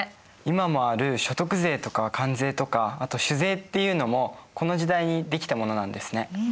今もある所得税とか関税とかあと酒税っていうのもこの時代にできたものなんですね。